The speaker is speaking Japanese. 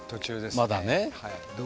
まだね。